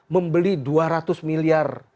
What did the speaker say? membeli dua ratus miliar